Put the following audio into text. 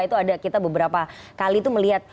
itu ada kita beberapa kali itu melihat